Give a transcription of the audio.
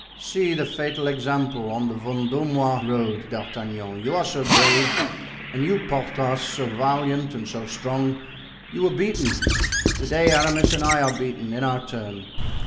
See the fatal example: on the Vendomois road, D'Artagnan, you so brave, and you, Porthos, so valiant and so strong—you were beaten; to day Aramis and I are beaten in our turn.